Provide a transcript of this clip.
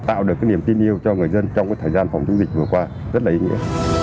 tạo được cái niềm tin yêu cho người dân trong cái thời gian phòng chống dịch vừa qua rất là ý nghĩa